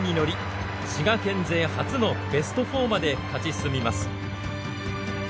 滋賀県勢初のベスト４まで勝ち進みます。